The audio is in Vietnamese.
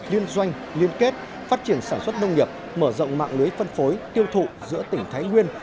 liên doanh liên kết phát triển sản xuất nông nghiệp mở rộng mạng lưới phân phối tiêu thụ giữa tỉnh thái nguyên